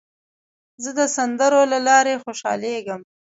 زه د سندرو له لارې خوشحالېږم.